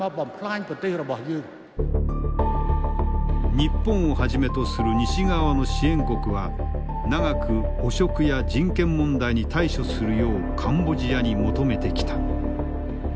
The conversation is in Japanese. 日本をはじめとする西側の支援国は長く汚職や人権問題に対処するようカンボジアに求めてきた。